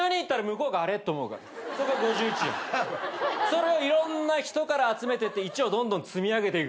それをいろんな人から集めていって１をどんどん積み上げていくの。